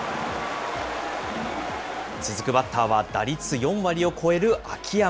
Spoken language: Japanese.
続くバッターは、打率４割を超える秋山。